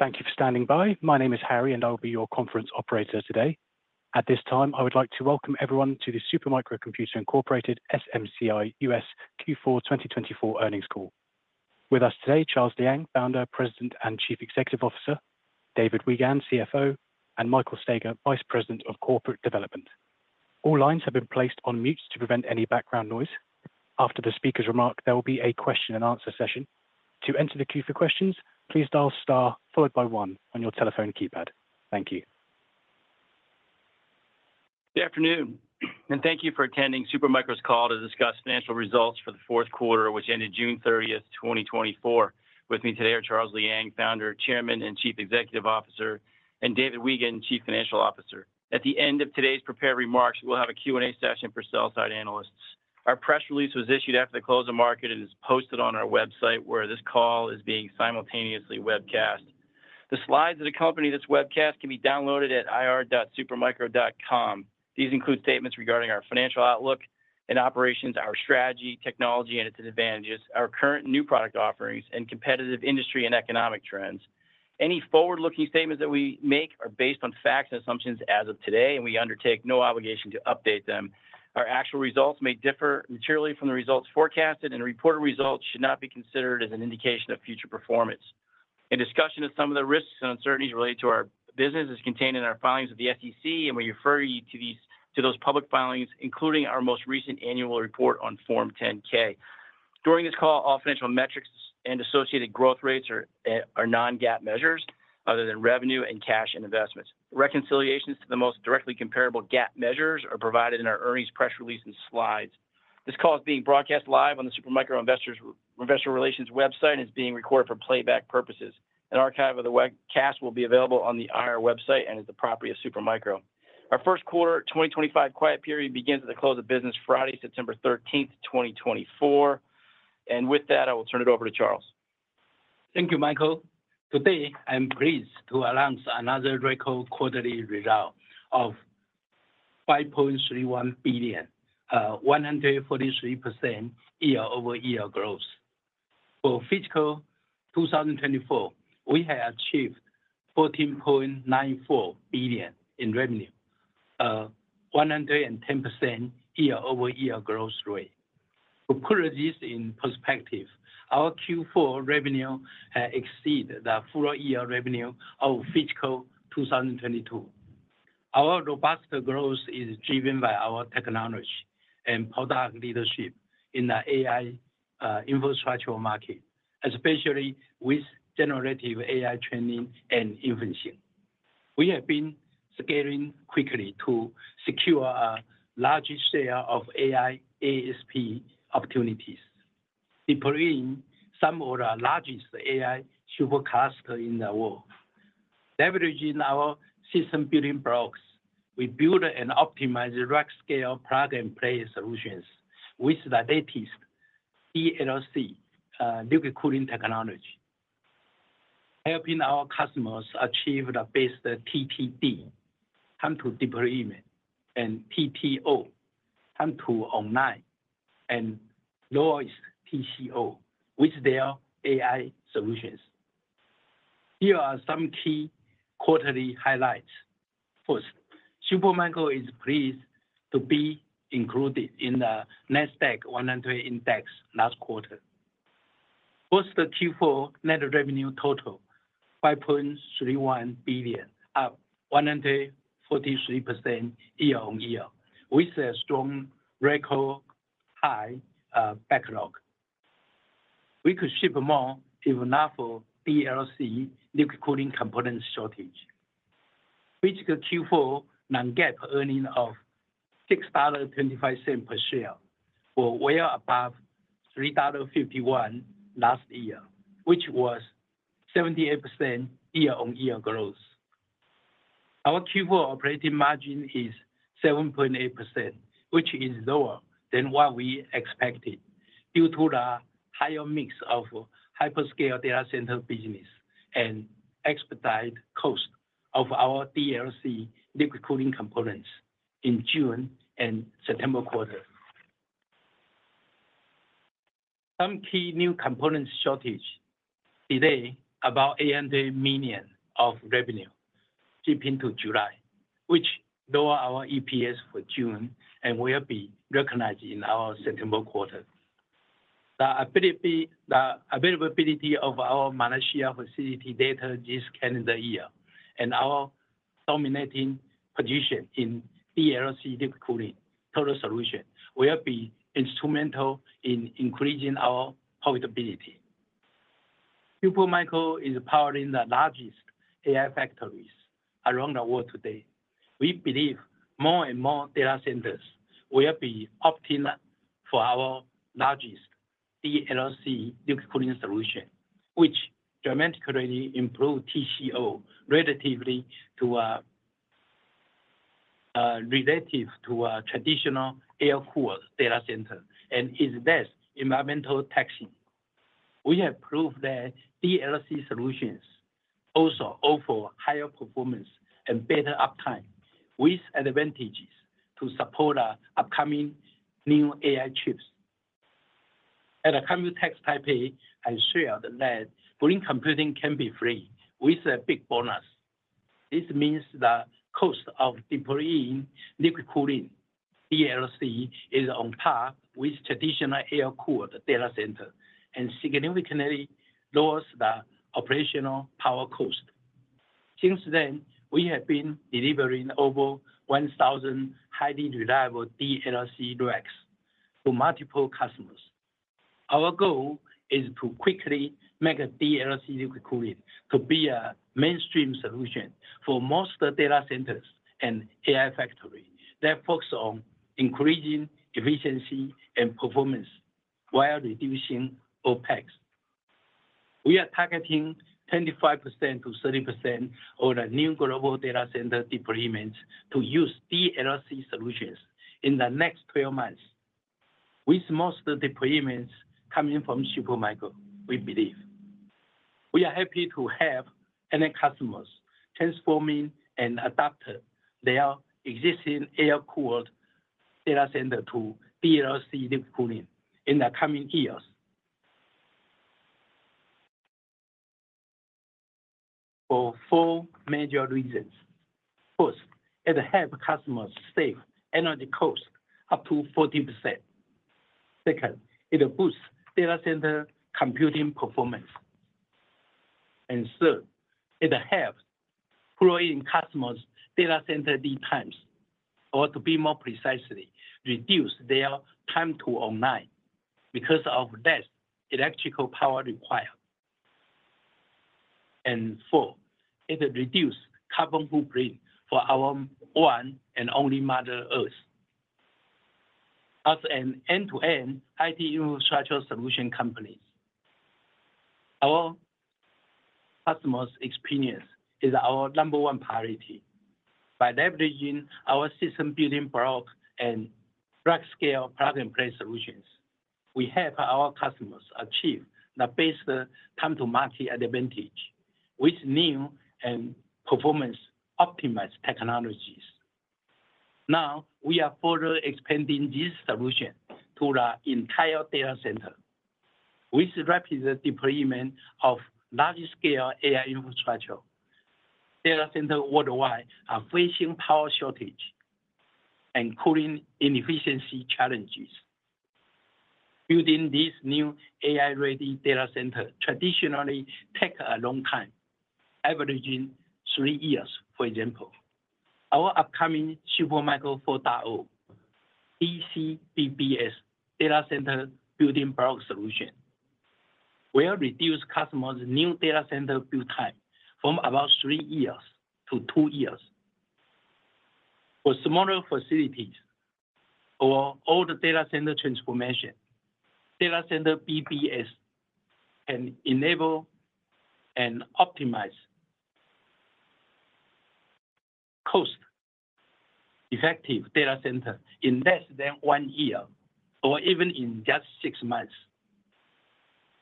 Thank you for standing by. My name is Harry, and I'll be your conference operator today. At this time, I would like to welcome everyone to the Super Micro Computer, Inc., SMCI, US Q4 2024 earnings call. With us today, Charles Liang, Founder, President, and Chief Executive Officer, David Weigand, CFO, and Michael Staiger, Vice President of Corporate Development. All lines have been placed on mute to prevent any background noise. After the speaker's remarks, there will be a question and answer session. To enter the queue for questions, please dial star followed by one on your telephone keypad. Thank you. Good afternoon, and thank you for attending Super Micro's call to discuss financial results for the fourth quarter, which ended June 30, 2024. With me today are Charles Liang, founder, chairman, and chief executive officer, and David Weigand, Chief Financial Officer. At the end of today's prepared remarks, we'll have a Q&A session for sell-side analysts. Our press release was issued after the close of market and is posted on our website, where this call is being simultaneously webcast. The slides that accompany this webcast can be downloaded at ir.supermicro.com. These include statements regarding our financial outlook and operations, our strategy, technology, and its advantages, our current new product offerings, and competitive industry and economic trends. Any forward-looking statements that we make are based on facts and assumptions as of today, and we undertake no obligation to update them. Our actual results may differ materially from the results forecasted, and reported results should not be considered as an indication of future performance. A discussion of some of the risks and uncertainties related to our business is contained in our filings with the SEC, and we refer you to these, to those public filings, including our most recent annual report on Form 10-K. During this call, all financial metrics and associated growth rates are, are non-GAAP measures other than revenue and cash, and investments. Reconciliations to the most directly comparable GAAP measures are provided in our earnings press release and slides. This call is being broadcast live on the Super Micro Investor Relations website and is being recorded for playback purposes. An archive of the webcast will be available on the IR website and is the property of Super Micro. Our first quarter 2025 quiet period begins at the close of business Friday, September 13, 2024. With that, I will turn it over to Charles. Thank you, Michael. Today, I'm pleased to announce another record quarterly result of $5.31 billion, 143% year-over-year growth. For fiscal 2024, we have achieved $14.94 billion in revenue, 110% year-over-year growth rate. To put this in perspective, our Q4 revenue has exceeded the full year revenue of fiscal 2022. Our robust growth is driven by our technology and product leadership in the AI infrastructure market, especially with generative AI training and inferencing. We have been scaling quickly to secure a large share of AI ASP opportunities, including some of the largest AI supercluster in the world. Leveraging our system building blocks, we build and optimize the rack scale plug-and-play solutions with the latest DLC liquid cooling technology, helping our customers achieve the best TTD, time to deployment, and TTO, time to online, and lowest TCO with their AI solutions. Here are some key quarterly highlights. First, Super Micro is pleased to be included in the Nasdaq 100 index last quarter. First, the Q4 net revenue total $5.31 billion, up 143% year-on-year, with a strong record high backlog. We could ship more, even after DLC liquid cooling components shortage. Fiscal Q4 non-GAAP earnings of $6.25 per share, far well above $3.51 last year, which was 78% year-on-year growth. Our Q4 operating margin is 7.8%, which is lower than what we expected due to the higher mix of hyperscale data center business and expedite cost of our DLC liquid cooling components in June and September quarter. Some key new components shortage delay about $1 million of revenue ship into July, which lower our EPS for June and will be recognized in our September quarter. The availability of our Malaysia facility later this calendar year and our dominating position in DLC liquid cooling total solution will be instrumental in increasing our profitability. Super Micro is powering the largest AI factories around the world today. We believe more and more data centers will be opting for our largest DLC liquid cooling solution, which dramatically improve TCO relative to a traditional air-cooled data center and is less environmental taxing. We have proved that DLC solutions also offer higher performance and better uptime, with advantages to support our upcoming new AI chips. At the Computex Taipei, I shared that green computing can be free with a big bonus. This means the cost of deploying liquid cooling, DLC, is on par with traditional air-cooled data center and significantly lowers the operational power cost. Since then, we have been delivering over 1,000 highly reliable DLC racks to multiple customers. Our goal is to quickly make a DLC liquid cooling to be a mainstream solution for most data centers and AI factories that focus on increasing efficiency and performance while reducing OpEx. We are targeting 25%-30% of the new global data center deployments to use DLC solutions in the next twelve months, with most of the deployments coming from Supermicro, we believe. We are happy to have many customers transforming and adapting their existing air-cooled data center to DLC liquid cooling in the coming years. For four major reasons. First, it helps customers save energy costs up to 40%. Second, it boosts data center computing performance. And third, it helps growing customers' data center lead times, or to be more precisely, reduce their time to online because of less electrical power required. And fourth, it reduce carbon footprint for our one and only Mother Earth. As an end-to-end IT infrastructure solution company, our customers' experience is our number one priority. By leveraging our system building block and large-scale plug-and-play solutions, we help our customers achieve the best time-to-market advantage with new and performance-optimized technologies. Now, we are further expanding this solution to the entire data center, with rapid deployment of large-scale AI infrastructure. Data centers worldwide are facing power shortage and cooling inefficiency challenges. Building these new AI-ready data centers traditionally take a long time, averaging three years, for example. Our upcoming Supermicro 4.0 DCBBS, data center building block solution, will reduce customers' new data center build time from about three years to two years. For smaller facilities or older data center transformation, data center BBS can enable and optimize cost-effective data center in less than one year or even in just six months.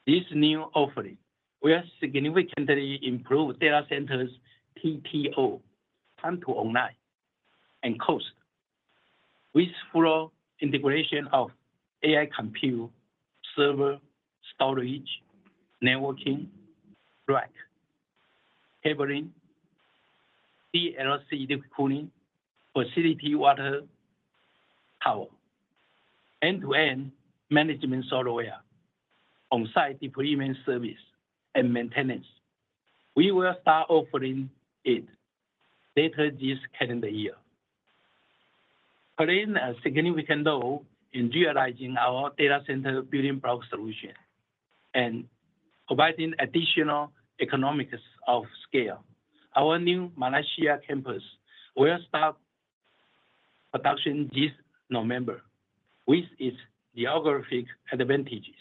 This new offering will significantly improve data centers' TTO, time to online, and cost, with full integration of AI compute, server, storage, networking, rack, cabling, DLC liquid cooling, facility water, power, end-to-end management software, on-site deployment service, and maintenance. We will start offering it later this calendar year. Playing a significant role in realizing our data center building block solution and providing additional economies of scale, our new Malaysia campus will start production this November. With its geographic advantages,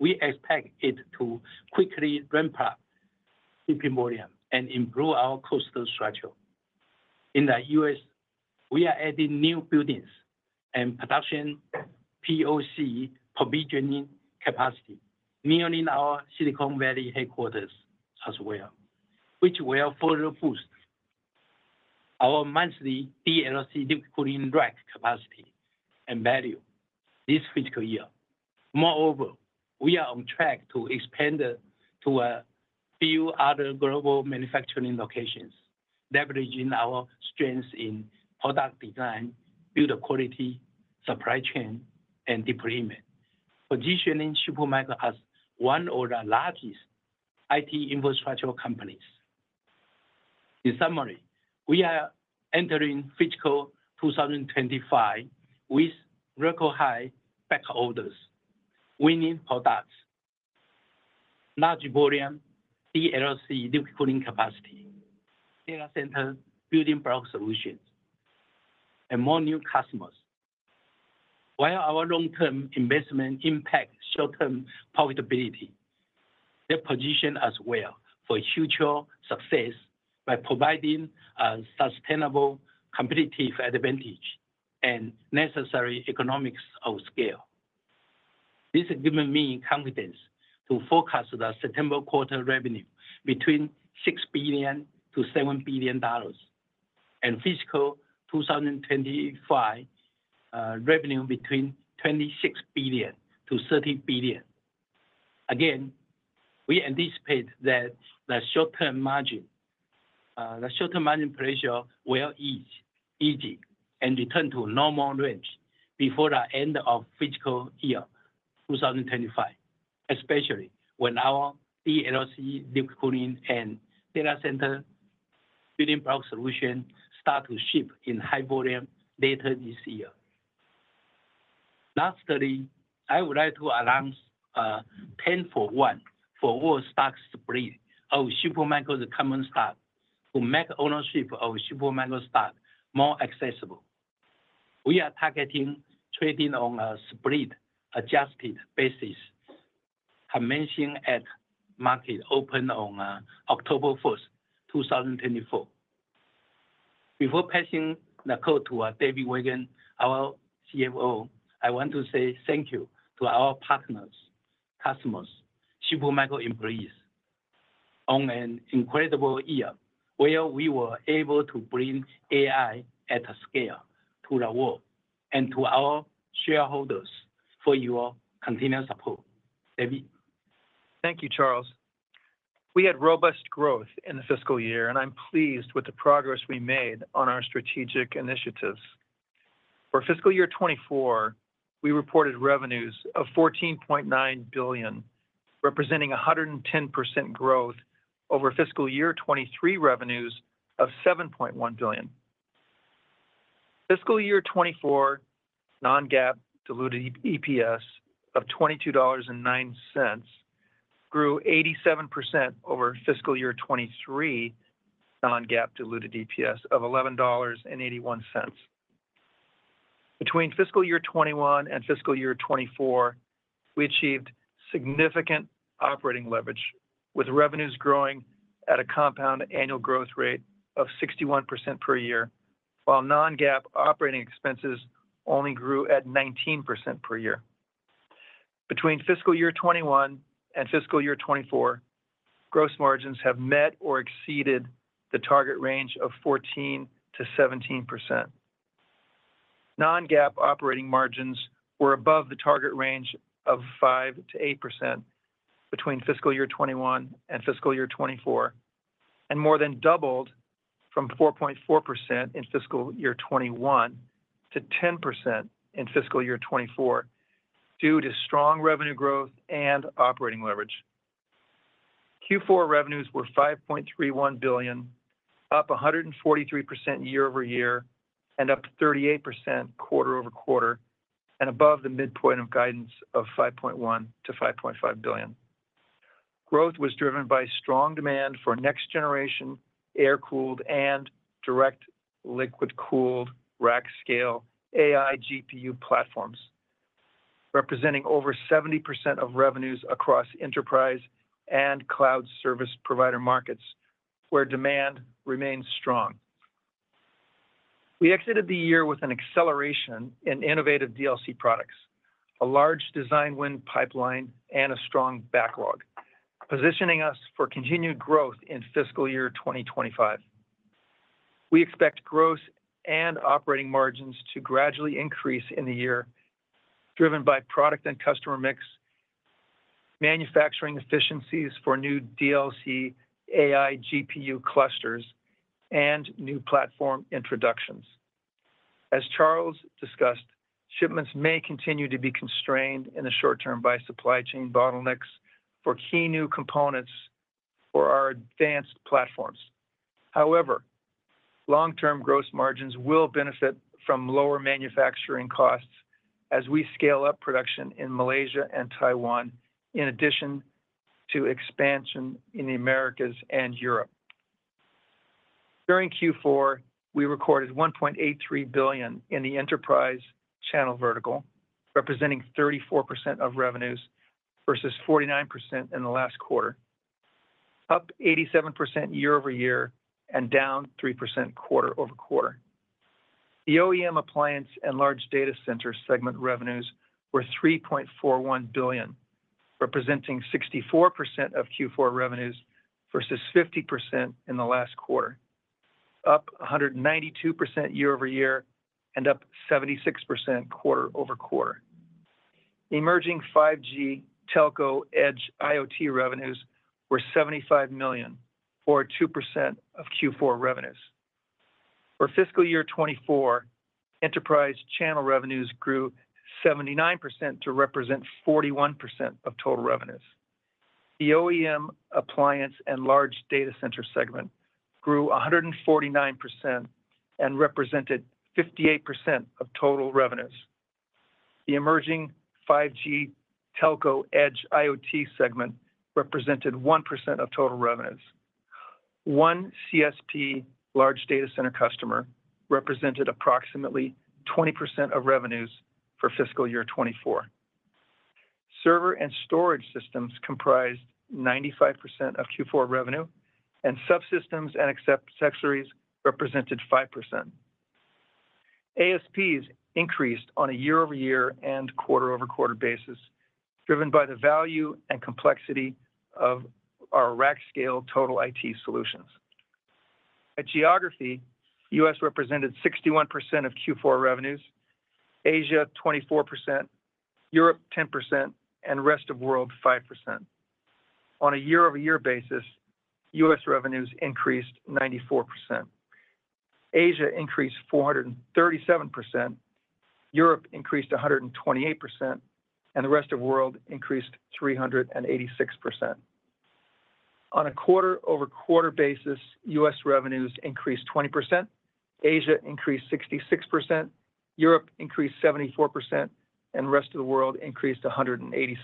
we expect it to quickly ramp up to full volume and improve our cost structure. In the US, we are adding new buildings and production POC provisioning capacity near our Silicon Valley headquarters as well, which will further boost our monthly DLC liquid cooling rack capacity and value this fiscal year. Moreover, we are on track to expand it to a few other global manufacturing locations, leveraging our strengths in product design, build quality, supply chain, and deployment, positioning Supermicro as one of the largest IT infrastructure companies. In summary, we are entering fiscal 2025 with record high backlog, winning products, large volume DLC liquid cooling capacity, Data Center Building Block Solutions, and more new customers. While our long-term investment impacts short-term profitability, they position us well for future success by providing a sustainable competitive advantage and necessary economies of scale. This has given me confidence to forecast the September quarter revenue between $6 billion-$7 billion and fiscal 2025 revenue between $26 billion-$30 billion. Again, we anticipate that the short-term margin pressure will ease and return to a normal range before the end of fiscal year 2025, especially when our DLC liquid cooling and data center building block solution start to ship in high volume later this year. Lastly, I would like to announce, 10-for-1 forward stock split of Super Micro, the common stock, to make ownership of Super Micro stock more accessible. We are targeting trading on a split-adjusted basis, commencing at market open on, October 1, 2024. Before passing the call to, David Weigand, our CFO, I want to say thank you to our partners, customers, Super Micro employees, on an incredible year, where we were able to bring AI at a scale to the world and to our shareholders for your continued support. David? Thank you, Charles. We had robust growth in the fiscal year, and I'm pleased with the progress we made on our strategic initiatives. For fiscal year 2024, we reported revenues of $14.9 billion, representing 110% growth over fiscal year 2023 revenues of $7.1 billion. Fiscal year 2024 non-GAAP diluted EPS of $22.09 grew 87% over fiscal year 2023 non-GAAP diluted EPS of $11.81. Between fiscal year 2021 and fiscal year 2024, we achieved significant operating leverage, with revenues growing at a compound annual growth rate of 61% per year, while non-GAAP operating expenses only grew at 19% per year. Between fiscal year 2021 and fiscal year 2024, gross margins have met or exceeded the target range of 14%-17%. Non-GAAP operating margins were above the target range of 5%-8% between fiscal year 2021 and fiscal year 2024, and more than doubled from 4.4% in fiscal year 2021 to 10% in fiscal year 2024, due to strong revenue growth and operating leverage. Q4 revenues were $5.31 billion, up 143% year-over-year and up 38% quarter-over-quarter, and above the midpoint of guidance of $5.1 billion-$5.5 billion. Growth was driven by strong demand for next-generation air-cooled and direct liquid-cooled rack scale AI GPU platforms, representing over 70% of revenues across enterprise and cloud service provider markets, where demand remains strong. We exited the year with an acceleration in innovative DLC products, a large design win pipeline, and a strong backlog, positioning us for continued growth in fiscal year 2025. We expect growth and operating margins to gradually increase in the year, driven by product and customer mix, manufacturing efficiencies for new DLC AI GPU clusters, and new platform introductions. As Charles discussed, shipments may continue to be constrained in the short term by supply chain bottlenecks for key new components for our advanced platforms. However, long-term gross margins will benefit from lower manufacturing costs as we scale up production in Malaysia and Taiwan, in addition to expansion in the Americas and Europe. During Q4, we recorded $1.83 billion in the enterprise channel vertical, representing 34% of revenues versus 49% in the last quarter, up 87% year-over-year and down 3% quarter-over-quarter. The OEM appliance and large data center segment revenues were $3.41 billion, representing 64% of Q4 revenues versus 50% in the last quarter, up 192% year-over-year and up 76% quarter-over-quarter. Emerging 5G Telco Edge IoT revenues were $75 million, or 2% of Q4 revenues. For fiscal year 2024, enterprise channel revenues grew 79% to represent 41% of total revenues. The OEM appliance and large data center segment grew 149% and represented 58% of total revenues. The emerging 5G Telco Edge IoT segment represented 1% of total revenues. One CSP large data center customer represented approximately 20% of revenues for fiscal year 2024. Server and storage systems comprised 95% of Q4 revenue, and subsystems and accessories represented 5%. ASPs increased on a year-over-year and quarter-over-quarter basis, driven by the value and complexity of our rack scale total IT solutions. By geography, U.S. represented 61% of Q4 revenues, Asia 24%, Europe 10%, and Rest of World 5%. On a year-over-year basis, U.S. revenues increased 94%, Asia increased 437%, Europe increased 128%, and the Rest of World increased 386%. On a quarter-over-quarter basis, U.S. revenues increased 20%, Asia increased 66%, Europe increased 74%, and Rest of World increased 187%.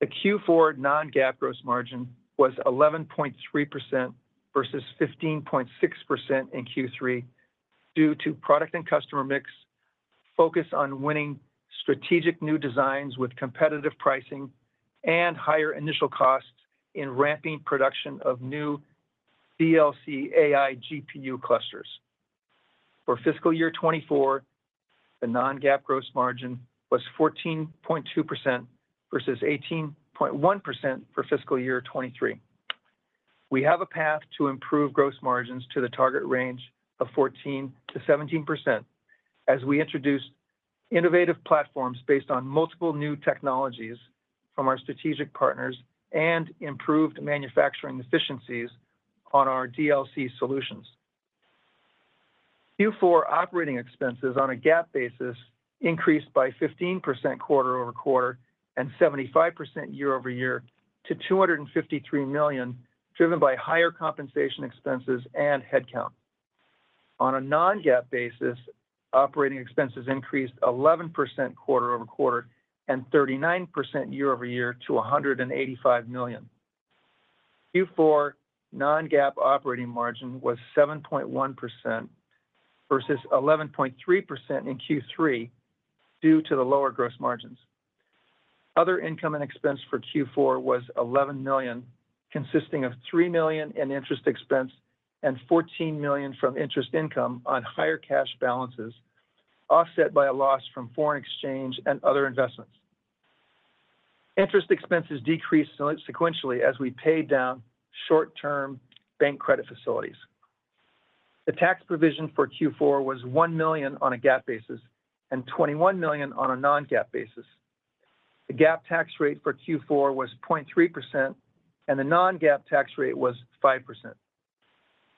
The Q4 non-GAAP gross margin was 11.3% versus 15.6% in Q3, due to product and customer mix, focus on winning strategic new designs with competitive pricing and higher initial costs in ramping production of new DLC AI GPU clusters. For fiscal year 2024, the non-GAAP gross margin was 14.2% versus 18.1% for fiscal year 2023. We have a path to improve gross margins to the target range of 14%-17%, as we introduce innovative platforms based on multiple new technologies from our strategic partners and improved manufacturing efficiencies on our DLC solutions. Q4 operating expenses on a GAAP basis increased by 15% quarter-over-quarter and 75% year-over-year to $253 million, driven by higher compensation expenses and headcount. On a non-GAAP basis, operating expenses increased 11% quarter-over-quarter and 39% year-over-year to $185 million. Q4 non-GAAP operating margin was 7.1% versus 11.3% in Q3, due to the lower gross margins. Other income and expense for Q4 was $11 million, consisting of $3 million in interest expense and $14 million from interest income on higher cash balances, offset by a loss from foreign exchange and other investments. Interest expenses decreased sequentially as we paid down short-term bank credit facilities. The tax provision for Q4 was $1 million on a GAAP basis and $21 million on a non-GAAP basis. The GAAP tax rate for Q4 was 0.3%, and the non-GAAP tax rate was 5%.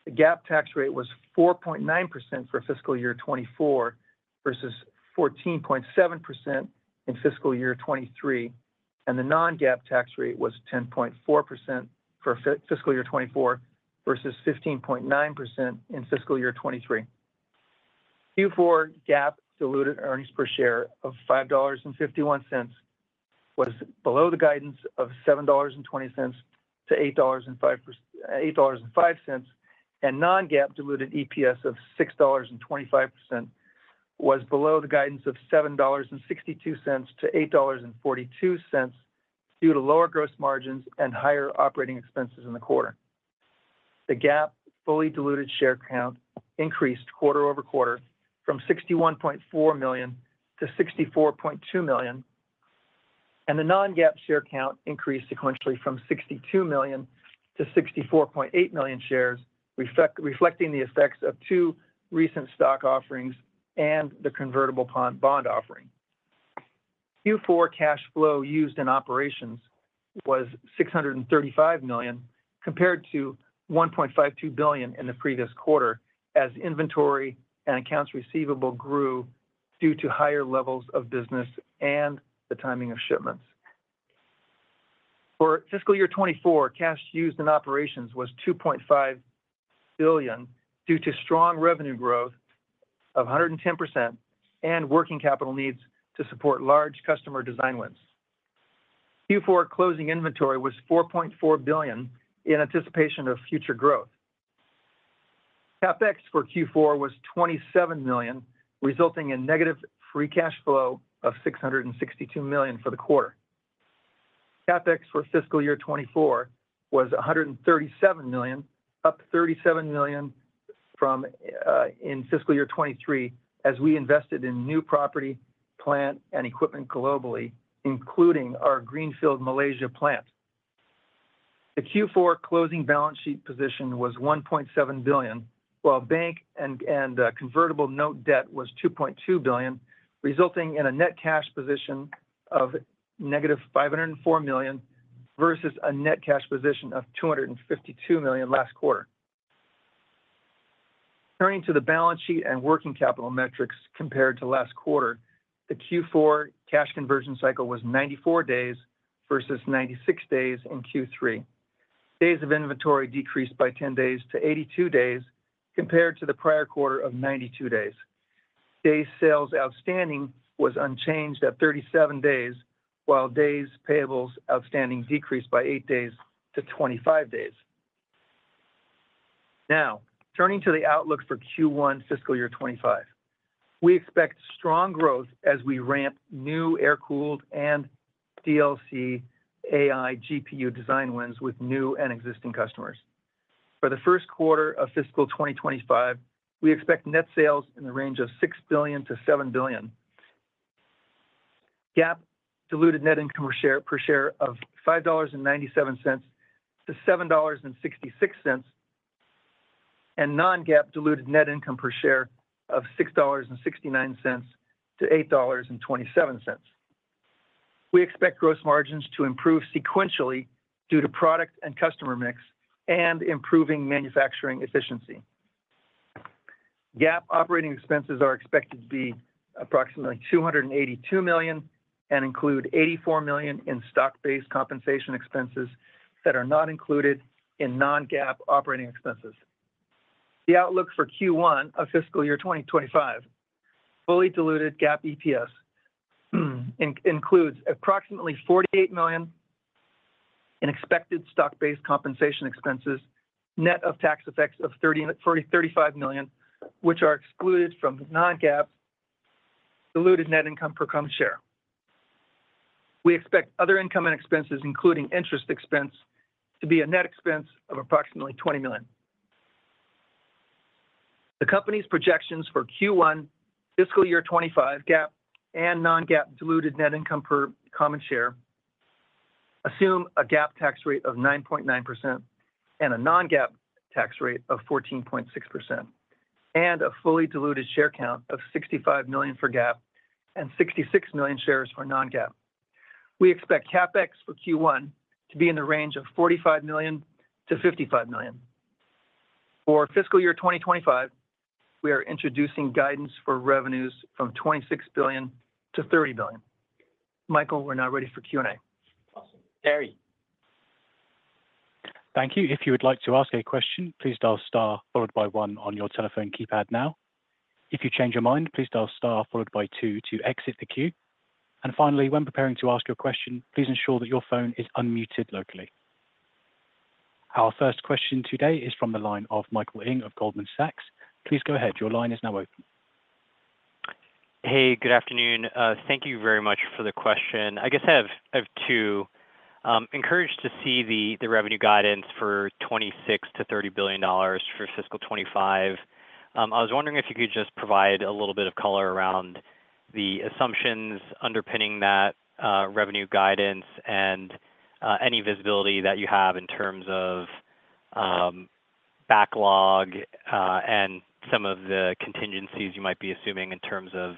The GAAP tax rate was 4.9% for fiscal year 2024 versus 14.7% in fiscal year 2023, and the non-GAAP tax rate was 10.4% for fiscal year 2024 versus 15.9% in fiscal year 2023. Q4 GAAP diluted earnings per share of $5.51 was below the guidance of $7.20 to $8.05, and non-GAAP diluted EPS of $6.25 was below the guidance of $7.62 to $8.42 due to lower gross margins and higher operating expenses in the quarter. The GAAP fully diluted share count increased quarter-over-quarter from 61.4 million to 64.2 million, and the non-GAAP share count increased sequentially from 62 million to 64.8 million shares, reflecting the effects of two recent stock offerings and the convertible bond offering. Q4 cash flow used in operations was $635 million, compared to $1.52 billion in the previous quarter, as inventory and accounts receivable grew due to higher levels of business and the timing of shipments. For fiscal year 2024, cash used in operations was $2.5 billion due to strong revenue growth of 110% and working capital needs to support large customer design wins. Q4 closing inventory was $4.4 billion in anticipation of future growth. CapEx for Q4 was $27 million, resulting in negative free cash flow of $662 million for the quarter. CapEx for fiscal year 2024 was $137 million, up $37 million from in fiscal year 2023, as we invested in new property, plant, and equipment globally, including our greenfield Malaysia plant. The Q4 closing balance sheet position was $1.7 billion, while bank and convertible note debt was $2.2 billion, resulting in a net cash position of negative $504 million versus a net cash position of $252 million last quarter. Turning to the balance sheet and working capital metrics compared to last quarter, the Q4 cash conversion cycle was 94 days versus 96 days in Q3. Days of inventory decreased by 10 days to 82 days compared to the prior quarter of 92 days. Days sales outstanding was unchanged at 37 days, while days payables outstanding decreased by 8 days to 25 days. Now, turning to the outlook for Q1 fiscal year 2025. We expect strong growth as we ramp new air-cooled and DLC AI GPU design wins with new and existing customers. For the first quarter of fiscal 2025, we expect net sales in the range of $6 billion-$7 billion. GAAP diluted net income per share, per share of $5.97-$7.66, and non-GAAP diluted net income per share of $6.69-$8.27. We expect gross margins to improve sequentially due to product and customer mix and improving manufacturing efficiency. GAAP operating expenses are expected to be approximately $282 million, and include $84 million in stock-based compensation expenses that are not included in non-GAAP operating expenses. The outlook for Q1 of fiscal year 2025, fully diluted GAAP EPS, includes approximately $48 million in expected stock-based compensation expenses, net of tax effects of $30 million-$35 million, which are excluded from non-GAAP diluted net income per common share. We expect other income and expenses, including interest expense, to be a net expense of approximately $20 million. The company's projections for Q1 fiscal year 2025 GAAP and non-GAAP diluted net income per common share, assume a GAAP tax rate of 9.9% and a non-GAAP tax rate of 14.6%, and a fully diluted share count of 65 million for GAAP and 66 million shares for non-GAAP. We expect CapEx for Q1 to be in the range of $45 million-$55 million. For fiscal year 2025, we are introducing guidance for revenues from $26 billion-$30 billion. Michael, we're now ready for Q&A. Awesome. Terry? Thank you. If you would like to ask a question, please dial star followed by one on your telephone keypad now. If you change your mind, please dial star followed by two to exit the queue. And finally, when preparing to ask your question, please ensure that your phone is unmuted locally. Our first question today is from the line of Michael Ng of Goldman Sachs. Please go ahead. Your line is now open. Hey, good afternoon. Thank you very much for the question. I guess I have, I have two. Encouraged to see the revenue guidance for $26 billion-$30 billion for fiscal 2025. I was wondering if you could just provide a little bit of color around the assumptions underpinning that revenue guidance and any visibility that you have in terms of backlog and some of the contingencies you might be assuming in terms of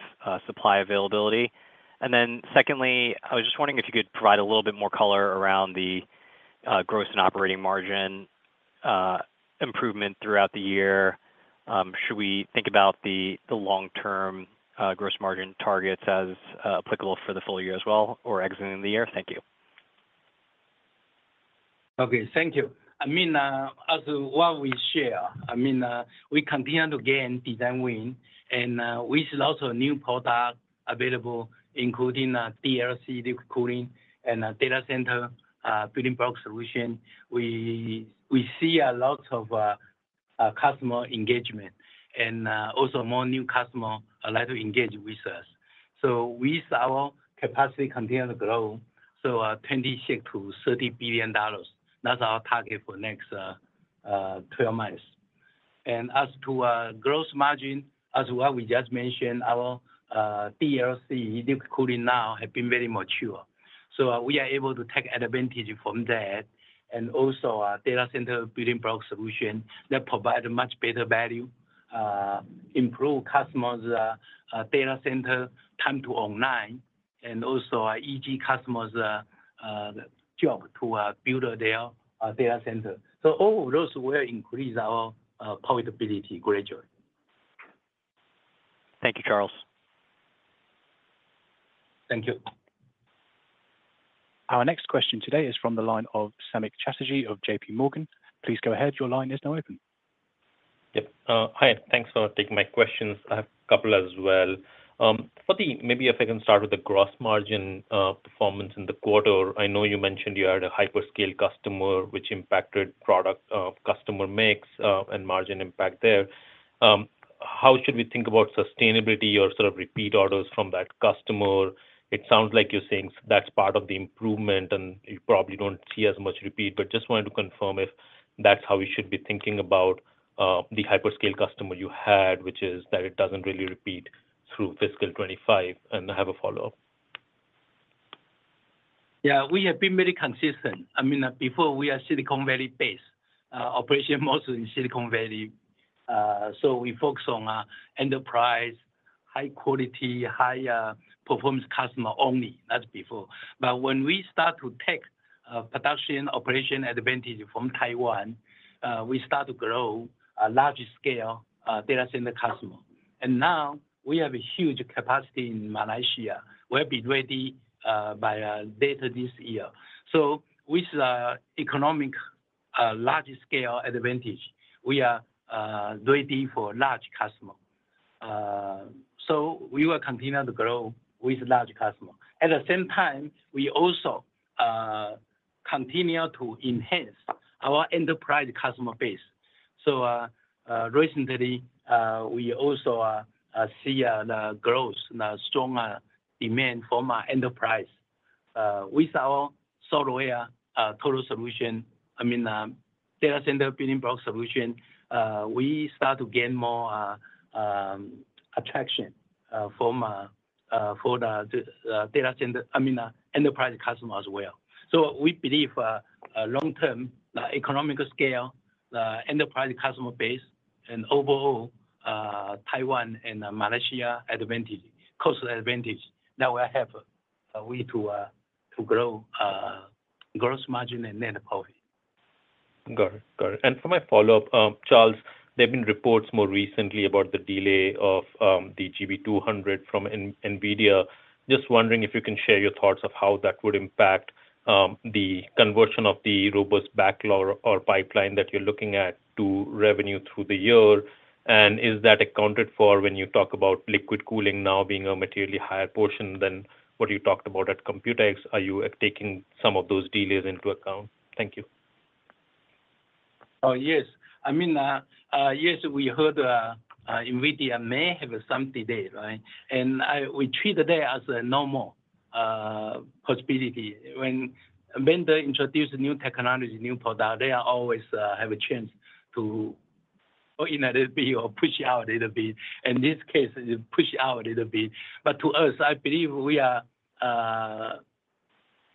supply availability. And then secondly, I was just wondering if you could provide a little bit more color around the gross and operating margin improvement throughout the year. Should we think about the long-term gross margin targets as applicable for the full year as well or exiting the year? Thank you. Okay, thank you. I mean, as what we share, I mean, we continue to gain design win, and we see lots of new product available, including DLC cooling and data center building block solution. We see a lot of customer engagement and also more new customer like to engage with us. So we see our capacity continue to grow. So, $26 billion-$30 billion, that's our target for next twelve months. And as to gross margin, as what we just mentioned, our DLC cooling now have been very mature. So we are able to take advantage from that, and also our Data Center Building Block Solution that provide a much better value, improve customers' data center time to online, and also our edge customers' job to build their data center. So all those will increase our profitability gradually. Thank you, Charles. Thank you. Our next question today is from the line of Samik Chatterjee of J.P. Morgan. Please go ahead. Your line is now open. Yep. Hi, thanks for taking my questions. I have a couple as well. For the—maybe if I can start with the gross margin, performance in the quarter. I know you mentioned you had a hyperscale customer which impacted product, customer mix, and margin impact there. How should we think about sustainability or sort of repeat orders from that customer? It sounds like you're saying that's part of the improvement, and you probably don't see as much repeat, but just wanted to confirm if that's how we should be thinking about, the hyperscale customer you had, which is that it doesn't really repeat through fiscal 25. I have a follow-up. Yeah, we have been very consistent. I mean, before we are Silicon Valley based operation, mostly in Silicon Valley. So we focus on enterprise, high quality, high performance customer only. That's before. But when we start to take production, operation advantage from Taiwan, we start to grow a large scale data center customer. And now we have a huge capacity in Malaysia, will be ready by later this year. So with the economic large scale advantage, we are ready for large customer. So we will continue to grow with large customer. At the same time, we also continue to enhance our enterprise customer base. So recently we also see the growth and the strong demand from our enterprise. With our software total solution, I mean, data center building block solution, we start to gain more attraction from the data center, I mean, enterprise customer as well. So we believe long term, the economic scale, the enterprise customer base, and overall, Taiwan and Malaysia advantage, cost advantage, that will help we to grow gross margin and net profit. Got it. Got it. And for my follow-up, Charles, there have been reports more recently about the delay of the GB200 from NVIDIA. Just wondering if you can share your thoughts of how that would impact the conversion of the robust backlog or pipeline that you're looking at to revenue through the year. And is that accounted for when you talk about liquid cooling now being a materially higher portion than what you talked about at Computex? Are you taking some of those delays into account? Thank you. Oh, yes. I mean, yes, we heard, NVIDIA may have some delay, right? And we treat the day as a normal possibility. When vendor introduce new technology, new product, they are always have a chance to, or in a little bit, or push out a little bit, in this case, push out a little bit. But to us, I believe we are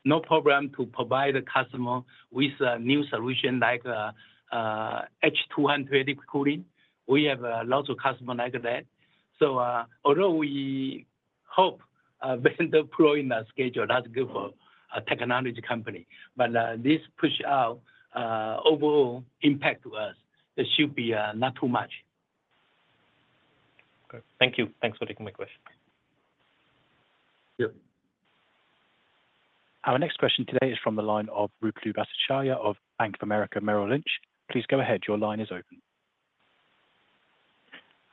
no problem to provide the customer with a new solution like H200 liquid cooling. We have lots of customer like that. So, although we hope vendor deploy in a schedule, that's good for a technology company, but this push out, overall impact to us, it should be not too much. Great. Thank you. Thanks for taking my question. Yep. Our next question today is from the line of Ruplu Bhattacharya of Bank of America, Merrill Lynch. Please go ahead. Your line is open.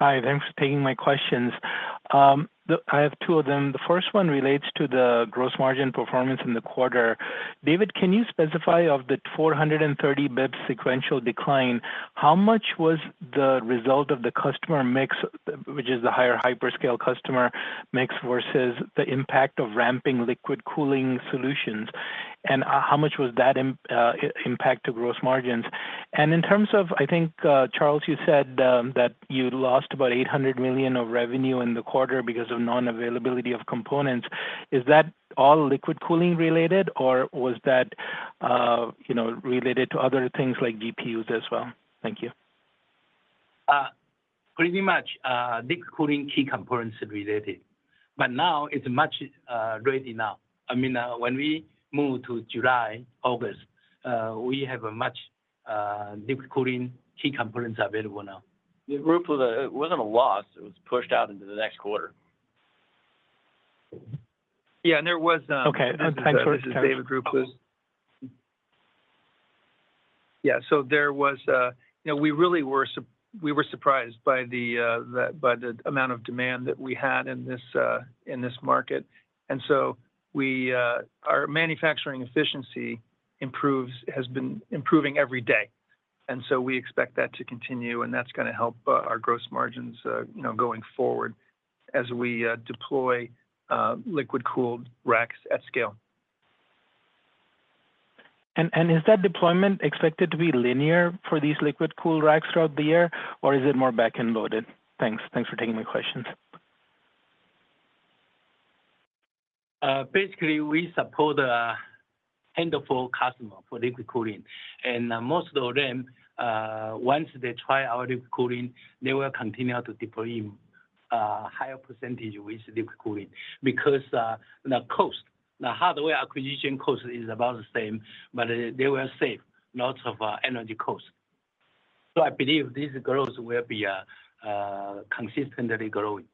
Hi, thanks for taking my questions. I have two of them. The first one relates to the gross margin performance in the quarter. David, can you specify of the 430 basis points sequential decline, how much was the result of the customer mix, which is the higher hyperscale customer mix, versus the impact of ramping liquid cooling solutions, and how much was that impact to gross margins? And in terms of, I think, Charles, you said that you lost about $800 million of revenue in the quarter because of non-availability of components. Is that all liquid cooling related, or was that, you know, related to other things like GPUs as well? Thank you. Pretty much, liquid cooling key components is related, but now it's much ready now. I mean, when we move to July, August, we have a much liquid cooling key components available now. Yeah, Ruplu Bhattacharya, it wasn't a loss. It was pushed out into the next quarter. Yeah, and there was, Okay, time for this- Yeah, so there was, you know, we really were surprised by the amount of demand that we had in this market. And so our manufacturing efficiency improves, has been improving every day, and so we expect that to continue, and that's gonna help our gross margins, you know, going forward as we deploy liquid cooled racks at scale. Is that deployment expected to be linear for these liquid-cooled racks throughout the year, or is it more back-end loaded? Thanks. Thanks for taking my questions. Basically, we support handful customer for liquid cooling. And most of them, once they try our liquid cooling, they will continue to deploy higher percentage with liquid cooling because the cost, the hardware acquisition cost is about the same, but they will save lots of energy costs. So I believe this growth will be consistently growing.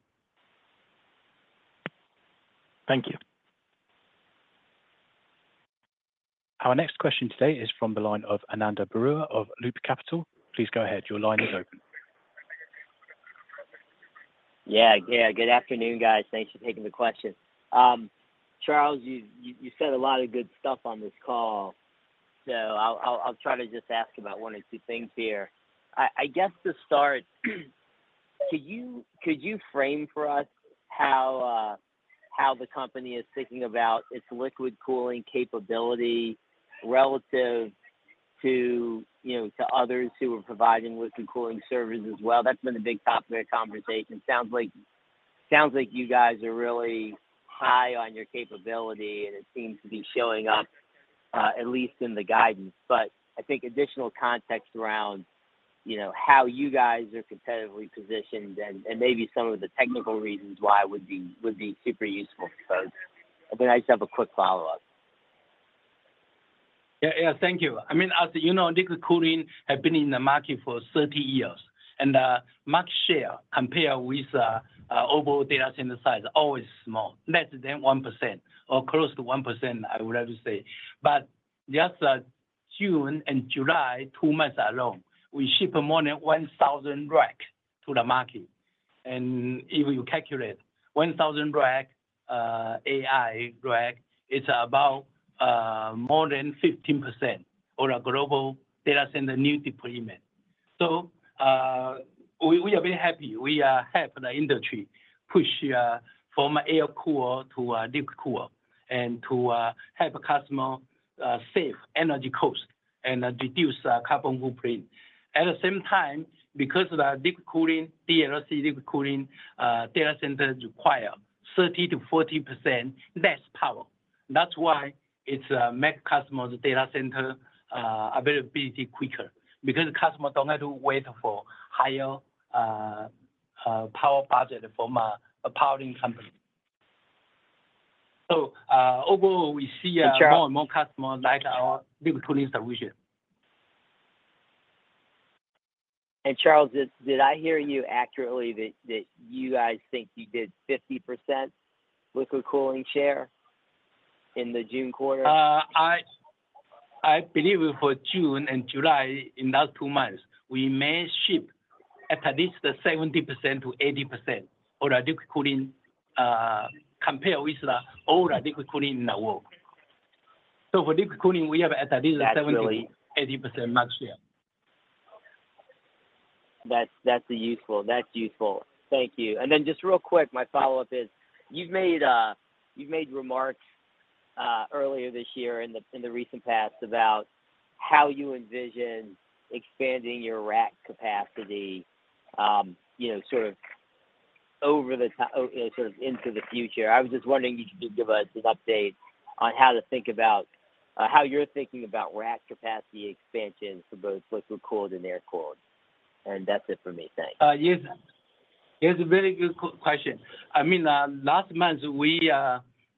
Thank you. Our next question today is from the line of Ananda Barua of Loop Capital. Please go ahead. Your line is open. Yeah, yeah. Good afternoon, guys. Thanks for taking the question. Charles, you said a lot of good stuff on this call, so I'll try to just ask about one or two things here. I guess to start, could you frame for us how the company is thinking about its liquid cooling capability relative to, you know, to others who are providing liquid cooling servers as well? That's been a big topic of conversation. Sounds like you guys are really high on your capability, and it seems to be showing up at least in the guidance. But I think additional context around, you know, how you guys are competitively positioned and maybe some of the technical reasons why would be super useful for us. But I just have a quick follow-up. Yeah, yeah. Thank you. I mean, as you know, liquid cooling have been in the market for 30 years, and much share compared with overall data center size, always small, less than 1% or close to 1%, I would have to say. But just June and July, two months alone, we ship more than 1,000 rack to the market... and if you calculate 1,000 rack, AI rack, it's about more than 15% on a global data center new deployment. So, we are very happy. We are helping the industry push from air-cooled to liquid-cooled, and to help customer save energy cost and reduce carbon footprint. At the same time, because of the liquid cooling, DLC liquid cooling, data centers require 30%-40% less power. That's why it's make customers' data center power budget from a powering company. So, overall, we see- Uh, Charles more and more customers like our liquid cooling solution. Charles, did I hear you accurately that you guys think you did 50% liquid cooling share in the June quarter? I believe for June and July, in that two months, we may ship at least 70%-80% for our liquid cooling, compared with the old liquid cooling in the world. So for liquid cooling, we have at least 70- That's really- -80% market share. That's useful. That's useful. Thank you. And then just real quick, my follow-up is, you've made remarks earlier this year in the recent past about how you envision expanding your rack capacity, you know, sort of into the future. I was just wondering if you could give us an update on how to think about how you're thinking about rack capacity expansion for both liquid cooled and air cooled. And that's it for me. Thanks. Yes. It's a very good question. I mean, last month, we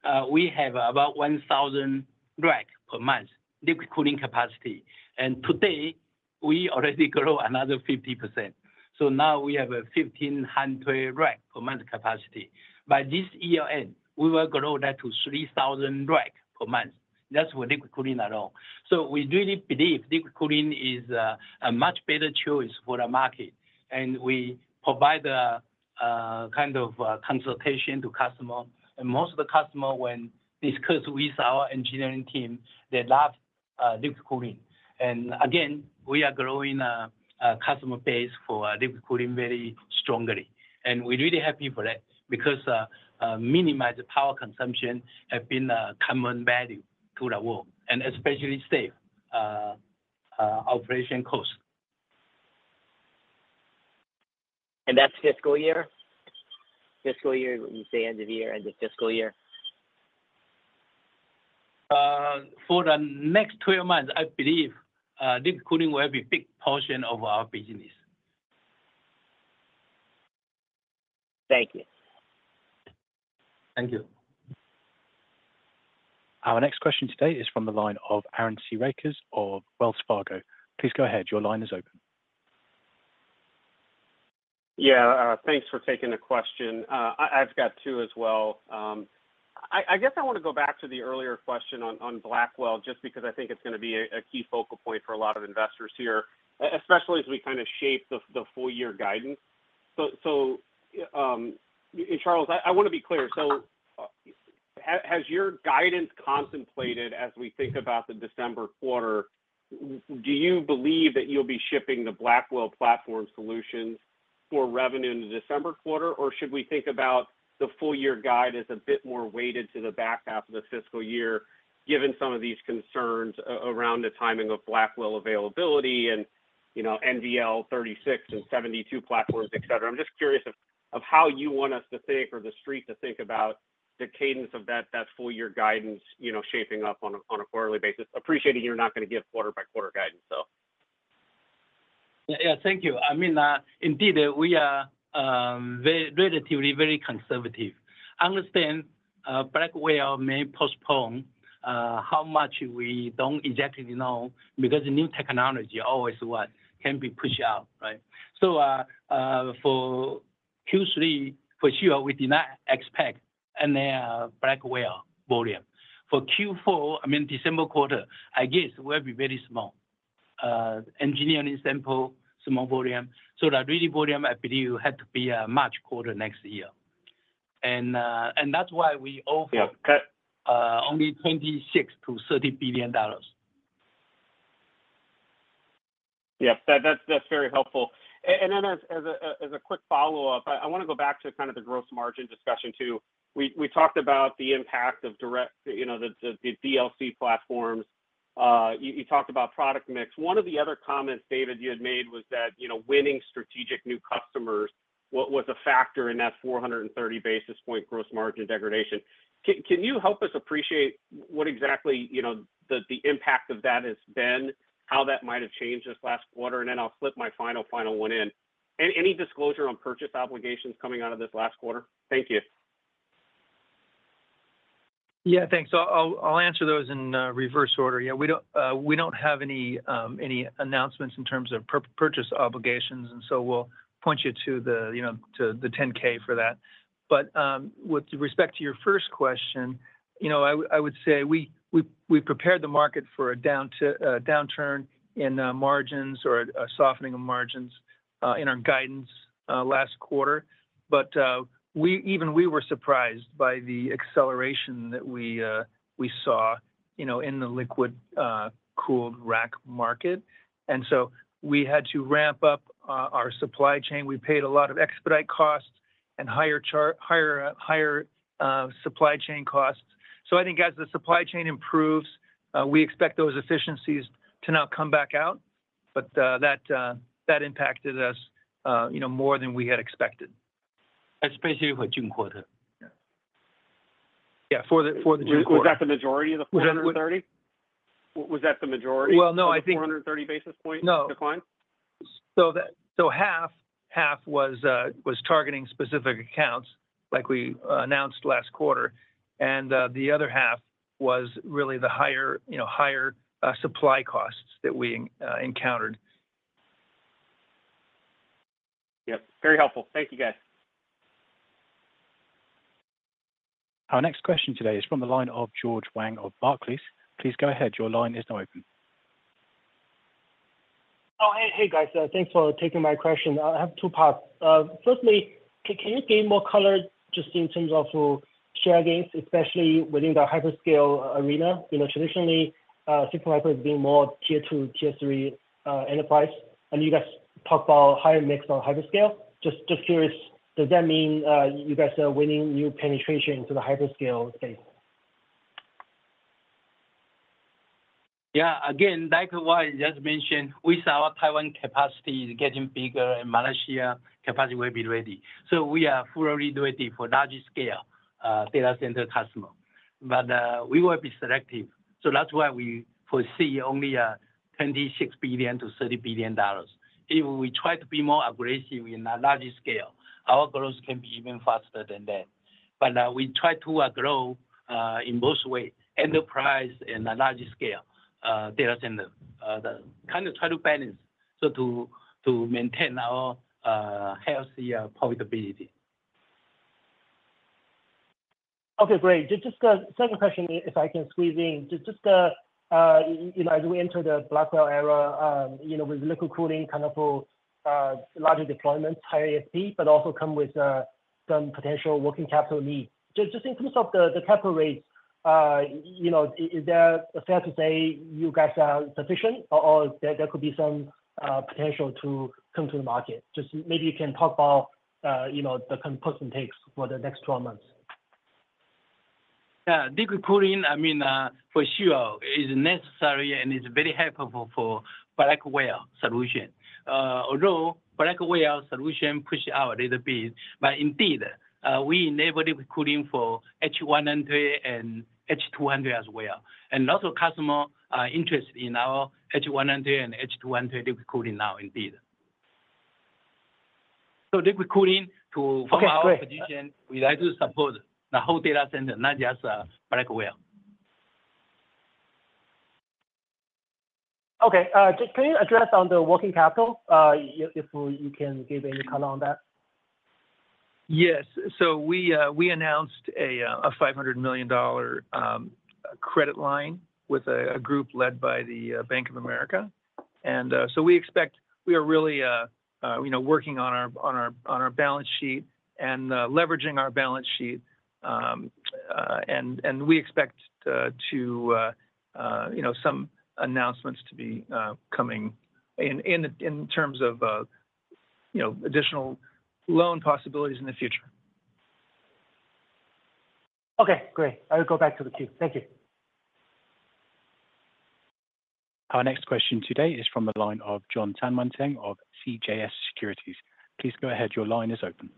have about 1000 rack per month liquid cooling capacity, and today, we already grow another 50%. So now we have a 1500 rack per month capacity. By this year end, we will grow that to 3000 rack per month. That's for liquid cooling alone. So we really believe liquid cooling is a much better choice for the market, and we provide a kind of consultation to customer. And most of the customer, when discuss with our engineering team, they love liquid cooling. And again, we are growing a customer base for liquid cooling very strongly. And we're really happy for that because minimize the power consumption have been a common value to the world, and especially save operation cost. That's fiscal year? Fiscal year, when you say end of the year, end of fiscal year. For the next 12 months, I believe, liquid cooling will be a big portion of our business. Thank you. Thank you. Our next question today is from the line of Aaron Rakers of Wells Fargo. Please go ahead. Your line is open. Yeah, thanks for taking the question. I've got two as well. I guess I want to go back to the earlier question on Blackwell, just because I think it's gonna be a key focal point for a lot of investors here, especially as we kind of shape the full year guidance. So, Charles, I wanna be clear. Has your guidance contemplated as we think about the December quarter, do you believe that you'll be shipping the Blackwell platform solutions for revenue in the December quarter? Or should we think about the full year guide as a bit more weighted to the back half of the fiscal year, given some of these concerns around the timing of Blackwell availability and, you know, NVL36 and NVL72 platforms, et cetera? I'm just curious of how you want us to think, or the street to think about the cadence of that full year guidance, you know, shaping up on a quarterly basis. Appreciating you're not gonna give quarter by quarter guidance, so. Yeah, thank you. I mean, indeed, we are relatively very conservative. I understand, Blackwell may postpone, how much we don't exactly know because the new technology always what can be pushed out, right? So, for Q3, for sure, we did not expect any Blackwell volume. For Q4, I mean, December quarter, I guess will be very small. Engineering sample, small volume. So the really volume, I believe, had to be, March quarter next year. And, and that's why we all- Yeah... only $26 billion-$30 billion. Yeah, that's very helpful. And then as a quick follow-up, I want to go back to kind of the gross margin discussion, too. We talked about the impact of direct, you know, the DLC platforms. You talked about product mix. One of the other comments, David, you had made was that, you know, winning strategic new customers was a factor in that 430 basis point gross margin degradation. Can you help us appreciate what exactly, you know, the impact of that has been, how that might have changed this last quarter? And then I'll slip my final one in. Any disclosure on purchase obligations coming out of this last quarter? Thank you. Yeah, thanks. I'll answer those in reverse order. Yeah, we don't have any announcements in terms of purchase obligations, and so we'll point you to the 10-K for that. But, with respect to your first question, you know, I would say we prepared the market for a downturn in margins or a softening of margins in our guidance last quarter. But, we even we were surprised by the acceleration that we saw, you know, in the liquid cooled rack market. And so we had to ramp up our supply chain. We paid a lot of expedite costs and higher supply chain costs. So I think as the supply chain improves, we expect those efficiencies to now come back out, but that impacted us, you know, more than we had expected. Especially for June quarter? Yeah. Yeah, for the, for the June quarter. Was that the majority of the 430? Was that the majority- Well, no, I think- 430 basis points- No -decline? So half was targeting specific accounts like we announced last quarter, and the other half was really the higher, you know, supply costs that we encountered. Yep. Very helpful. Thank you, guys. Our next question today is from the line of George Wang of Barclays. Please go ahead. Your line is now open. Oh, hey, hey, guys, thanks for taking my question. I have two parts. Firstly, can you give more color just in terms of share gains, especially within the hyperscale arena? You know, traditionally, Supermicro has been more tier two, tier three, enterprise, and you guys talk about higher mix on hyperscale. Just curious, does that mean you guys are winning new penetration to the hyperscale space? Yeah, again, like what I just mentioned, we saw our Taiwan capacity is getting bigger, and Malaysia capacity will be ready. So we are fully ready for larger scale data center customer. But we will be selective, so that's why we foresee only $26 billion-$30 billion. If we try to be more aggressive in a larger scale, our growth can be even faster than that. But we try to grow in both ways, enterprise in a larger scale data center. Kind of try to balance, so to maintain our healthy profitability. Okay, great. Just a second question, if I can squeeze in. Just you know, as we enter the Blackwell era, you know, with liquid cooling, kind of larger deployments, higher ASP, but also come with some potential working capital needs. Just in terms of the capital raise, you know, is there fair to say you guys are sufficient, or there could be some potential to come to the market? Just maybe you can talk about you know, the composition takes for the next 12 months. Yeah, liquid cooling, I mean, for sure is necessary, and is very helpful for Blackwell solution. Although Blackwell solution push out a little bit, but indeed, we enable liquid cooling for H100 and H200 as well. And lots of customer are interested in our H100 and H200 liquid cooling now indeed. So liquid cooling to- Okay, great From our position, we like to support the whole data center, not just, Blackwell. Okay, just can you address on the working capital, if you can give any color on that? Yes. So we announced a $500 million credit line with a group led by the Bank of America. And so we expect—we are really, you know, working on our balance sheet and leveraging our balance sheet. And we expect, you know, some announcements to be coming in terms of, you know, additional loan possibilities in the future. Okay, great. I will go back to the queue. Thank you. Our next question today is from the line of Jon Tanwanteng of CJS Securities. Please go ahead. Your line is open.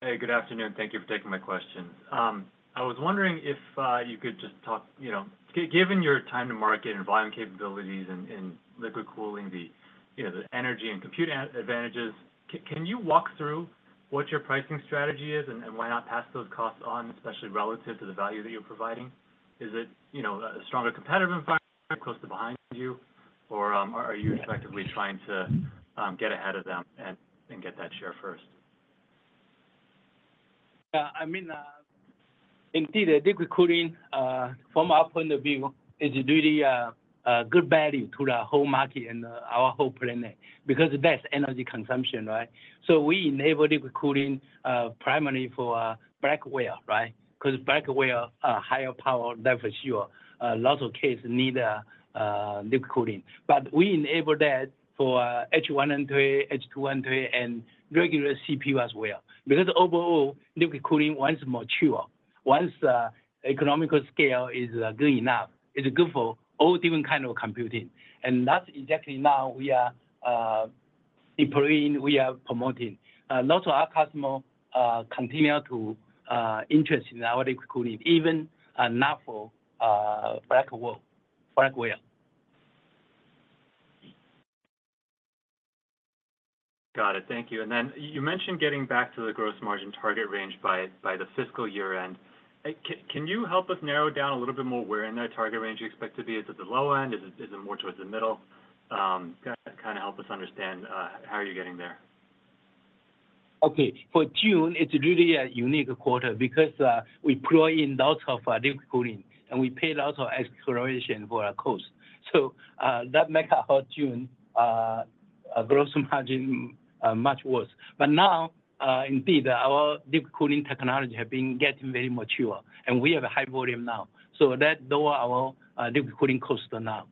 Hey, good afternoon. Thank you for taking my questions. I was wondering if you could just talk, you know, given your time to market and volume capabilities and liquid cooling, the, you know, the energy and compute advantages, can you walk through what your pricing strategy is and why not pass those costs on, especially relative to the value that you're providing? Is it, you know, a stronger competitive environment, close to behind you, or are you effectively trying to get ahead of them and get that share first? Yeah, I mean, indeed, the liquid cooling from our point of view is really a good value to the whole market and our whole planet, because that's energy consumption, right? So we enable liquid cooling primarily for Blackwell, right? Because Blackwell higher power, that for sure. Lots of case need liquid cooling. But we enable that for H100, H200, and regular CPU as well. Because overall, liquid cooling, once mature, once the economical scale is good enough, it's good for all different kind of computing. And that's exactly now we are deploying, we are promoting. Lots of our customer continue to interest in our liquid cooling, even not for Blackwell, Blackwell. Got it. Thank you. And then you mentioned getting back to the gross margin target range by the fiscal year-end. Can you help us narrow down a little bit more where in that target range you expect to be? Is it at the low end? Is it more towards the middle? Kind of help us understand how you're getting there.... Okay, for June, it's really a unique quarter because we deploy in lots of DLC, and we paid out of proportion for our cost. So, that make our June gross margin much worse. But now, indeed, our DLC technology have been getting very mature, and we have a high volume now. So that lower our DLC cost now.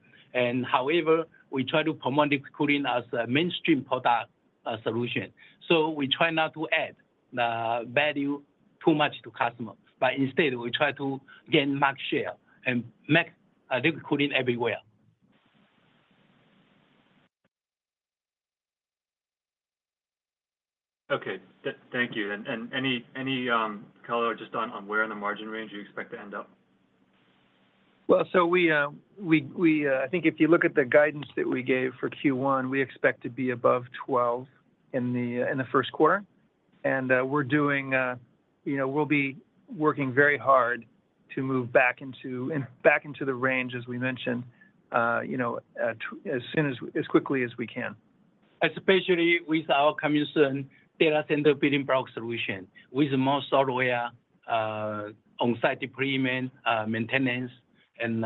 However, we try to promote DLC as a mainstream product solution. So we try not to add the value too much to customers, but instead we try to gain max share and max DLC everywhere. Okay. Thank you. And any color just on where in the margin range you expect to end up? Well, so we, I think if you look at the guidance that we gave for Q1, we expect to be above 12 in the first quarter. And, we're doing, you know, we'll be working very hard to move back into, and back into the range, as we mentioned, you know, as soon as, as quickly as we can. Especially with our coming soon Data Center Building Block Solution, with more software, on-site deployment, maintenance, and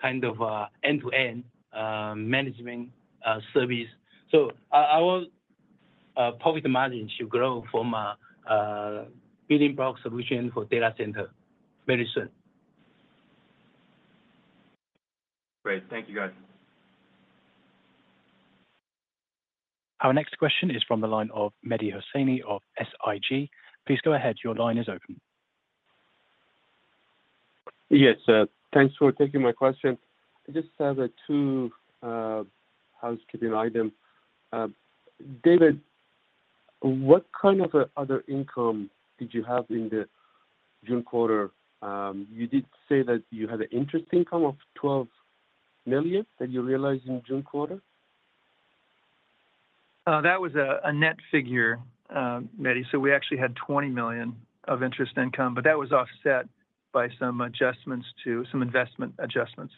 kind of end-to-end management service. So our gross margin should grow from building block solution for data center very soon. Great. Thank you, guys. Our next question is from the line of Mehdi Hosseini of SIG. Please go ahead. Your line is open. Yes, sir. Thanks for taking my question. I just have two housekeeping item. David, what kind of other income did you have in the June quarter? You did say that you had an interest income of $12 million, that you realized in June quarter. That was a net figure, Mehdi. So we actually had $20 million of interest income, but that was offset by some adjustments to some investment adjustments,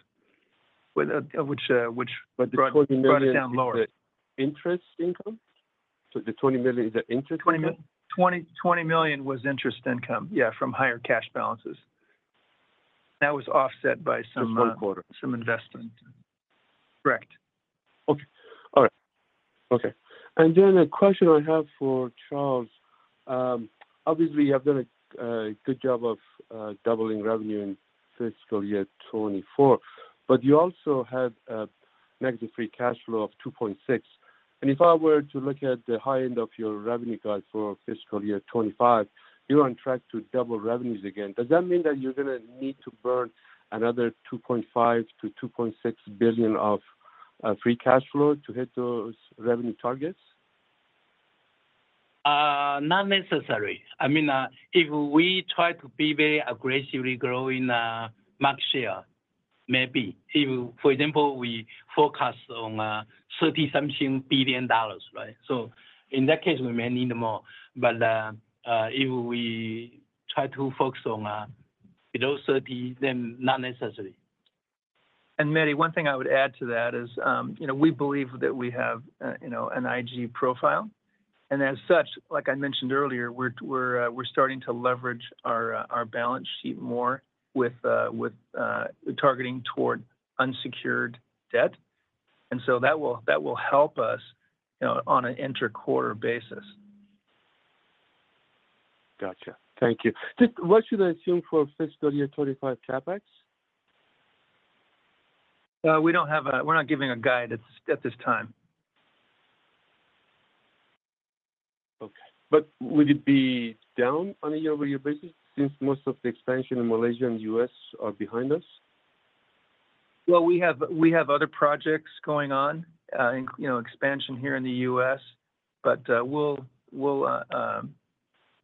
with which, which- But the $20 million- Brought it down lower.... interest income? So the $20 million is interest income? $20 million was interest income, yeah, from higher cash balances. That was offset by some, This whole quarter.... some investment. Correct. Okay. All right. Okay. And then a question I have for Charles. Obviously, you have done a good job of doubling revenue in fiscal year 2024, but you also had negative free cash flow of $2.6 billion. And if I were to look at the high end of your revenue guide for fiscal year 2025, you're on track to double revenues again. Does that mean that you're gonna need to burn another $2.5 billion-$2.6 billion of free cash flow to hit those revenue targets? Not necessary. I mean, if we try to be very aggressively growing, market share, maybe. If, for example, we forecast on, $30-something billion, right? So in that case, we may need more. But, if we try to focus on, below $30 billion, then not necessary. Mehdi, one thing I would add to that is, you know, we believe that we have, you know, an IG profile. And as such, like I mentioned earlier, we're starting to leverage our balance sheet more with targeting toward unsecured debt. And so that will help us, you know, on an inter-quarter basis. Gotcha. Thank you. Just what should I assume for fiscal year 25 CapEx? We're not giving a guide at this time. Okay. But would it be down on a year-over-year basis since most of the expansion in Malaysia and US are behind us? Well, we have other projects going on, you know, expansion here in the U.S., but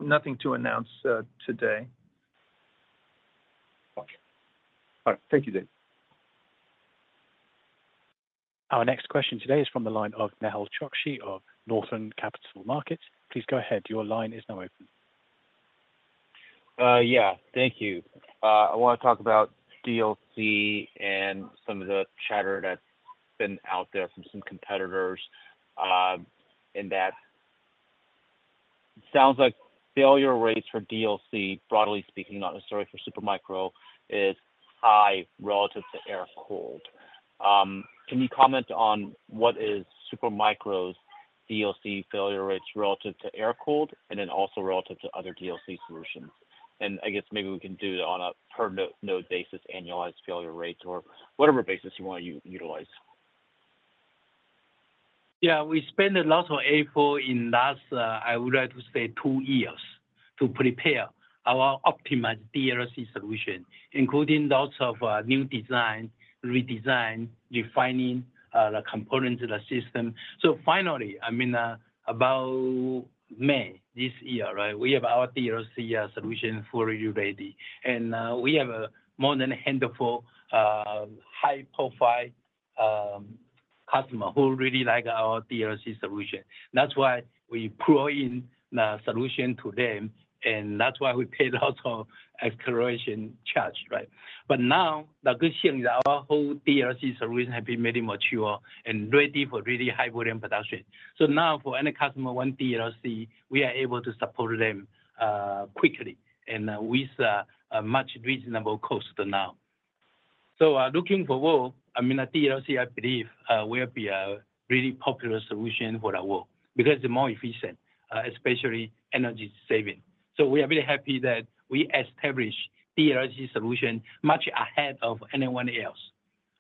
nothing to announce today. Gotcha. All right. Thank you, David. Our next question today is from the line of Nehal Chokshi of Northland Capital Markets. Please go ahead. Your line is now open. Yeah, thank you. I wanna talk about DLC and some of the chatter that's been out there from some competitors. And that sounds like failure rates for DLC, broadly speaking, not necessarily for Supermicro, is high relative to air-cooled. Can you comment on what is Supermicro's DLC failure rates relative to air-cooled, and then also relative to other DLC solutions? And I guess maybe we can do it on a per node basis, annualized failure rates, or whatever basis you want to utilize. Yeah, we spent a lot of effort in last, I would like to say two years, to prepare our optimized DLC solution, including lots of new design, redesign, refining the components of the system. So finally, I mean, about May this year, right? We have our DLC solution fully ready. And we have more than a handful high profile customer who really like our DLC solution. That's why we pull in the solution to them, and that's why we paid also acceleration charge, right? But now, the good thing is our whole DLC solution has been very mature and ready for really high volume production. So now, for any customer want DLC, we are able to support them quickly and with a much reasonable cost now. So, looking at the world, I mean, at DLC, I believe will be a really popular solution for the world because it's more efficient, especially energy saving. So we are very happy that we established DLC solution much ahead of anyone else.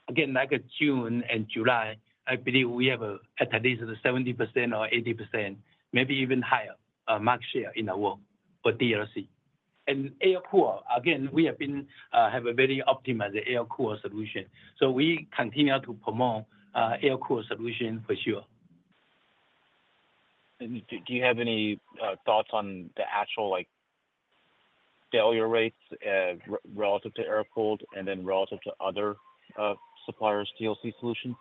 Again, like June and July, I believe we have at least 70% or 80%, maybe even higher, market share in the world for DLC. And air-cooled, again, we have been, have a very optimized air-cooled solution. So we continue to promote air-cooled solution for sure. Do you have any thoughts on the actual, like, failure rates relative to air-cooled and then relative to other suppliers DLC solutions?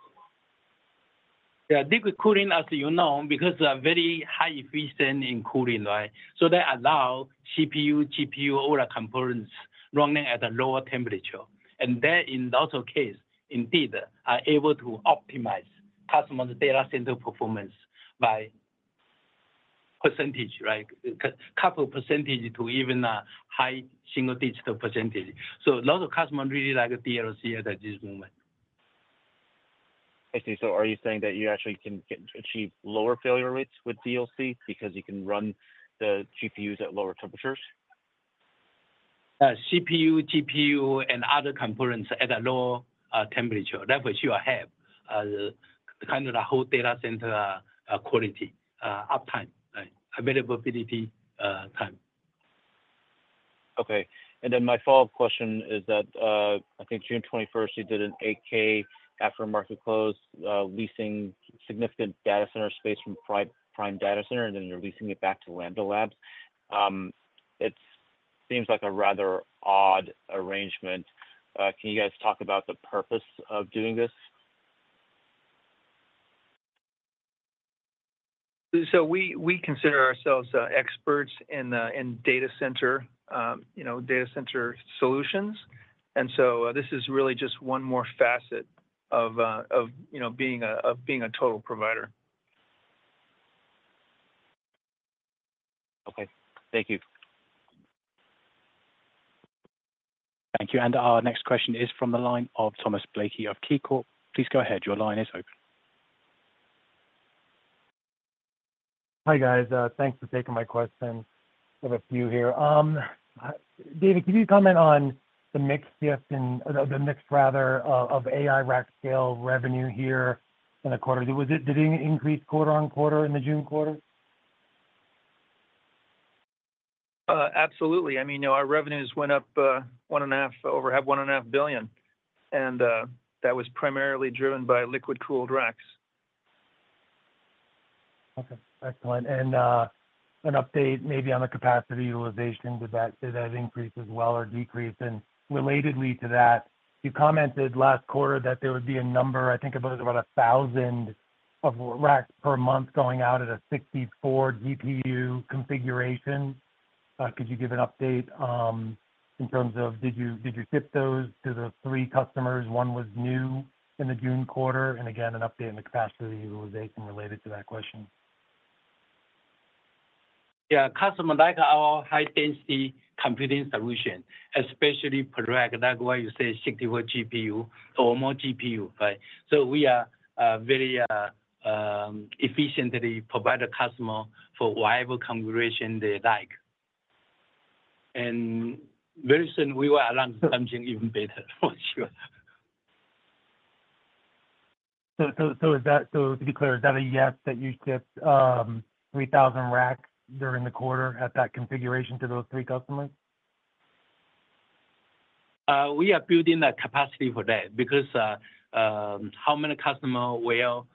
Yeah, liquid cooling, as you know, because they are very high efficient in cooling, right? So they allow CPU, GPU, all the components running at a lower temperature. And they, in lots of case, indeed, are able to optimize customer's data center performance by a couple % to even a high single-digit %, right? So lots of customers really like the DLC at this moment. I see. So are you saying that you actually can achieve lower failure rates with DLC because you can run the GPUs at lower temperatures? CPU, GPU, and other components at a low, low, temperature. That will sure help, kind of the whole data center, quality, uptime, right? Availability, time. Okay. Then my follow-up question is that, I think June 21, you did an 8-K after market close, leasing significant data center space from Prime Data Centers, and then you're leasing it back to Lambda. It seems like a rather odd arrangement. Can you guys talk about the purpose of doing this? So we consider ourselves experts in the data center, you know, data center solutions, and so this is really just one more facet of, you know, being a total provider. Okay. Thank you. Thank you, and our next question is from the line of Thomas Blakey of KeyCorp. Please go ahead. Your line is open. Hi, guys. Thanks for taking my questions. I have a few here. David, can you comment on the mix shift in, or the mix rather, of AI rack scale revenue here in the quarter? Did it increase quarter-over-quarter in the June quarter? Absolutely. I mean, you know, our revenues went up 1.5, over half, $1.5 billion, and that was primarily driven by liquid-cooled racks. Okay, excellent. An update maybe on the capacity utilization. Did that increase as well or decrease? Relatedly to that, you commented last quarter that there would be a number, I think it was about 1000 of racks per month going out at a 64 GPU configuration. Could you give an update in terms of did you ship those to the 3 customers? One was new in the June quarter. Again, an update on the capacity utilization related to that question. Yeah, customer like our high-density computing solution, especially per rack. That's why you say 64 GPU or more GPU, right? So we are very efficiently provide a customer for whatever configuration they like. And very soon, we will announce something even better, for sure. So to be clear, is that a yes, that you shipped 3,000 racks during the quarter at that configuration to those three customers? We are building the capacity for that because how many customer will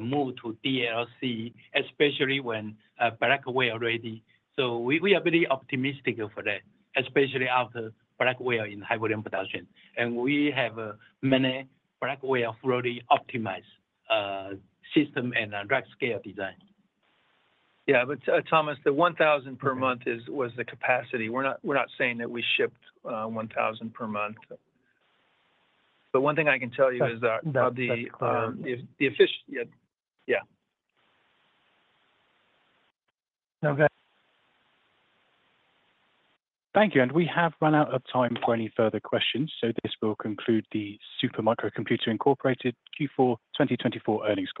move to DLC, especially when Blackwell already? So we are very optimistic for that, especially after Blackwell in high volume production. And we have many Blackwell already optimized system and a rack scale design. Yeah, but, Thomas, the 1,000 per month is- was the capacity. We're not, we're not saying that we shipped 1,000 per month. The one thing I can tell you is that- That, uh- The efficiency... Yeah. Yeah. Okay. Thank you, and we have run out of time for any further questions, so this will conclude the Super Micro Computer Incorporated Q4 2024 earnings call.